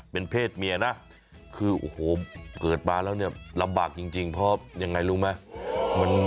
เป็นเพศเมียนะคือโอ้โหเกิดมาแล้วเนี่ยลำบากจริงเพราะยังไงรู้ไหม